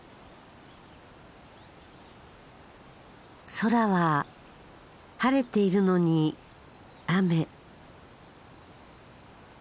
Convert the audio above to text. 空は晴れているのに雨。